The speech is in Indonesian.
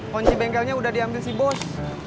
kunci bkl nya udah diambil si bos